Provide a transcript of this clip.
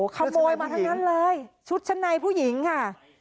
ขโมยมาทั้งนั้นเลยชุดชั้นในผู้หญิงค่ะ